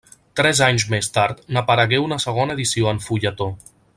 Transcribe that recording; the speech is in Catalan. Tres anys més tard n'aparegué una segona edició en fulletó.